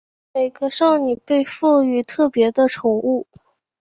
每个少女被赋与特别的宠物。